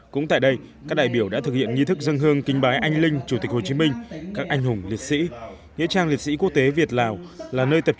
cũng tại đây các đại biểu đã thực hiện nghi thức dân hương kinh bái anh linh chủ tịch hồ chí minh các anh hùng liệt sĩ